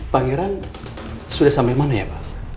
pak heran sudah sampai mana ya pak